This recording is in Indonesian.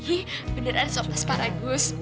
ini beneran sopas paragus